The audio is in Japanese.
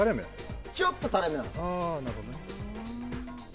ちょっと垂れ目なんです。